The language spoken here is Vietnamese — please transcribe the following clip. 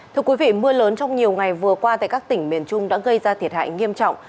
thưa quý vị mưa lớn trong nhiều ngày vừa qua tại các tỉnh miền trung đã gây ra thiệt hại nghiêm trọng